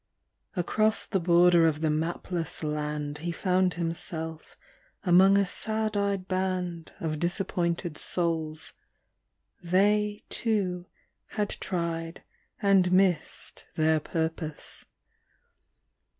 Across the border of the mapless land He found himself among a sad eyed band Of disappointed souls; they, too, had tried And missed their purpose.